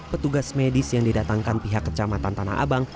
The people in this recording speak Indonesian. petugas medis yang didatangkan pihak kecamatan tanah abang